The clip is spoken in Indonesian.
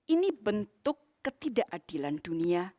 ini bentuk ketidakadilan dunia